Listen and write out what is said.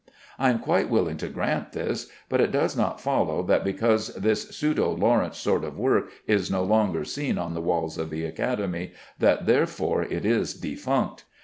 I am quite willing to grant this, but it does not follow that because this pseudo Lawrence sort of work is no longer seen on the walls of the Academy, that therefore it is defunct.